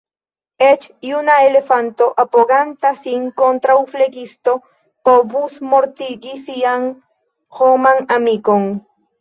Eĉ juna elefanto, apoganta sin kontraŭ flegisto, povus mortigi sian homan amikon.